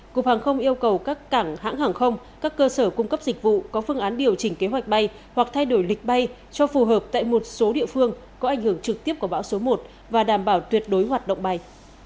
cục hàng không yêu cầu các cảng hãng hàng không các cơ sở cung cấp dịch vụ có phương án điều chỉnh kế hoạch bay hoặc thay đổi lịch bay cho phù hợp tại một số địa phương có ảnh hưởng trực tiếp của bão số một và đảm bảo tuyệt đối hoạt động bay